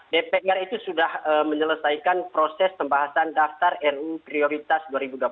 dpr itu sudah menyelesaikan proses pembahasan daftar ruu prioritas dua ribu dua puluh